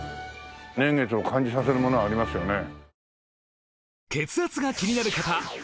年月を感じさせるものはありますよね。